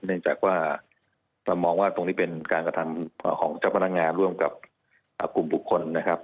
เนื่องจากว่าเรามองว่าตรงนี้เป็นการกระทำของเจ้าพนักงานร่วมกับกลุ่มบุคคลนะครับ